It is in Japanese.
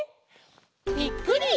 ぴっくり！